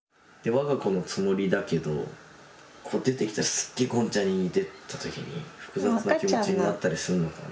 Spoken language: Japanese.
我が子のつもりだけどこう出てきたらすっげえゴンちゃんに似てた時に複雑な気持ちになったりするのかな。